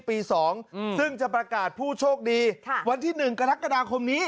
ปีสองอืมซึ่งจะประกาศผู้โชคดีค่ะวันที่หนึ่งกรกฎาคมนี้